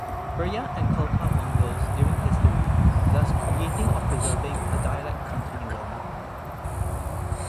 Buryat and Khalkha Mongols during history thus creating or preserving a dialect continuum.